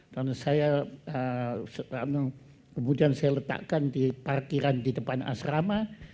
dan saya kemudian saya letakkan di parkiran di depan asrama